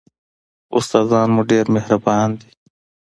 استادان مو ډېر مهربان دي.